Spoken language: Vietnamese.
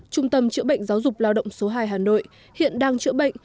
trung tâm chữa bệnh giáo dục lao động số hai hà nội hiện đang chữa bệnh